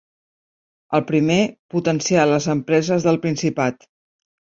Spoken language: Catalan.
El primer, potenciar les empreses del Principat.